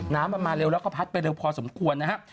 น้ำมันมาเร็วแล้วก็พัดไปเร็วพอสมควรนะครับ